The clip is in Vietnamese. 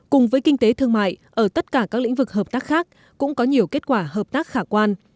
cùng với kinh tế thương mại ở tất cả các lĩnh vực hợp tác khác cũng có nhiều kết quả hợp tác khả quan